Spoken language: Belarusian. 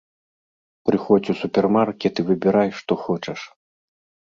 Прыходзь у супермаркет і выбірай, што хочаш.